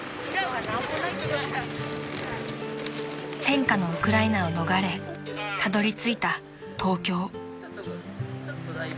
［戦火のウクライナを逃れたどりついた東京］